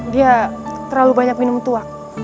dia terlalu banyak minum tua